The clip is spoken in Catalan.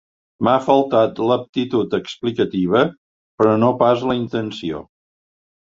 M'ha faltat l'aptitud explicativa, però no pas la intenció.